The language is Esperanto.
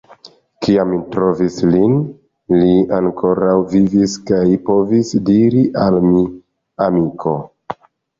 Kiam mi trovis lin, li ankoraŭ vivis kaj povis diri al mi: «Amiko...